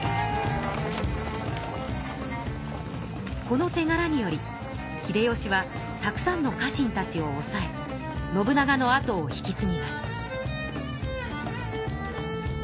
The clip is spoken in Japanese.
このてがらにより秀吉はたくさんの家臣たちをおさえ信長のあとを引きつぎます。